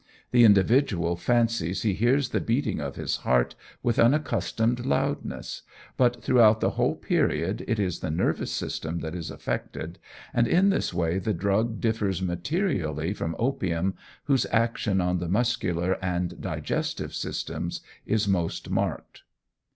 The individual fancies he hears the beating of his heart with unaccustomed loudness; but throughout the whole period it is the nervous system that is affected, and in this way the drug differs materially from opium whose action on the muscular and digestive systems is most marked.